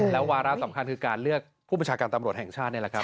แล้ววาระสำคัญคือการเลือกผู้ประชาการตำรวจแห่งชาตินี่แหละครับ